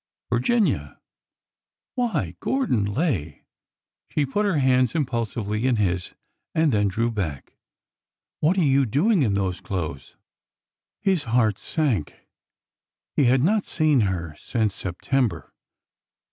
'' Virginia !"" Why, Gordon Lay !" She put her hands impulsively in his, and then drew back. " What are you doing in those clothes ?" His heart sank. He had not seen her since September.